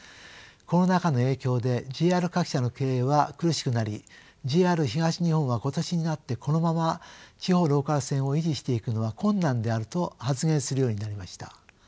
コロナ禍の影響でＪＲ各社の経営は苦しくなりＪＲ東日本は今年になってこのまま地方ローカル線を維持していくのは困難であると発言するようになりました。